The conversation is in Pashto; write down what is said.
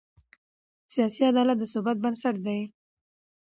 سیاسي عدالت د ثبات بنسټ دی